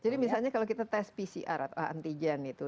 jadi misalnya kalau kita tes pcr atau antigen itu